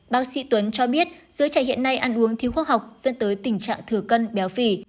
bác sĩ tuấn cho biết giới trẻ hiện nay ăn uống thiếu khoa học dẫn tới tình trạng thừa cân béo phì